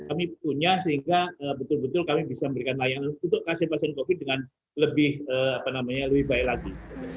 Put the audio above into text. kami punya sehingga betul betul kami bisa memberikan layanan untuk kasih pasien covid dengan lebih baik lagi